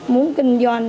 muốn kinh doanh